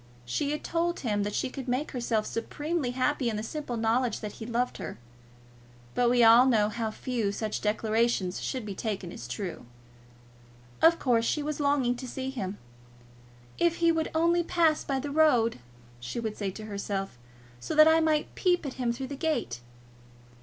She had told him that she could make herself supremely happy in the simple knowledge that he loved her. But we all know how far such declarations should be taken as true. Of course, she was longing to see him. "If he would only pass by the road," she would say to herself, "so that I might peep at him through the gate!"